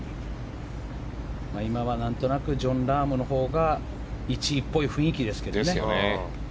今は何となくジョン・ラームのほうが１位っぽい雰囲気ですけどね。